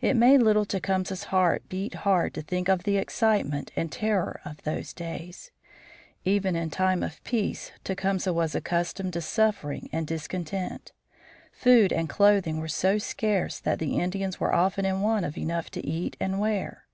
It made little Tecumseh's heart beat hard to think of the excitement and terror of those days. [Illustration: INDIAN WARRIORS] Even in time of peace Tecumseh was accustomed to suffering and discontent. Food and clothing were so scarce that the Indians were often in want of enough to eat and wear.